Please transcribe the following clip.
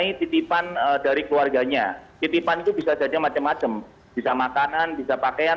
ini titipan dari keluarganya titipan itu bisa jadi macam macam bisa makanan bisa pakaian